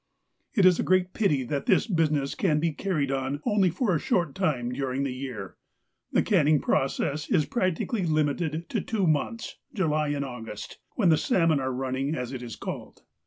It is a great pity that this business can be carried on only for a short time during the year. The canning process is practically limited to two months, July and August, when the salmon are running, as it is called.